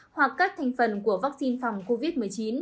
hoặc các thành phần của vaccine phòng covid một mươi chín